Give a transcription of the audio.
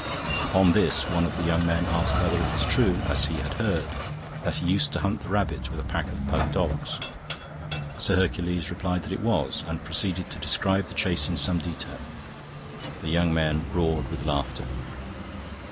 Upon this one of the young men asked whether it was true, as he had heard, that he used to hunt the rabbit with a pack of pug dogs. Sir Hercules replied that it was, and proceeded to describe the chase in some detail. The young men roared with laughter.